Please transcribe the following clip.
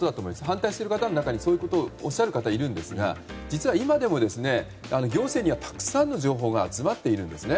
反対している方の中にそういうことおっしゃっる方がいますが実は今でも行政にはたくさんの情報が集まっているんですね。